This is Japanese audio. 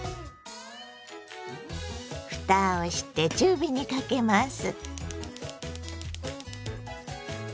ふたをして中火にかけます。